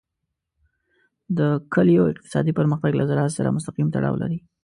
د کلیو اقتصادي پرمختګ له زراعت سره مستقیم تړاو لري.